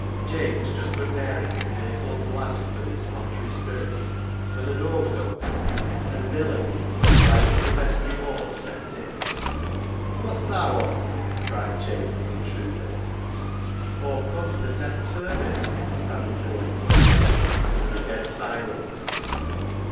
Jabe was just preparing a fearful blast for these contrary spirits when the door was opened, and Billy, as white as the vestry wall, stepped in. " Wot's tha want ?" cried Jabe at the in truder. " Aw've come to tak' t' sarvice," stammered Billy. There was a dead silence.